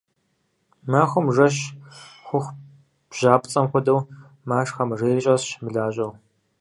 Махуэм жэщ хъуху бжьапцӏэм хуэдэу машхэ мэжейри щӏэсщ, мылажьэу.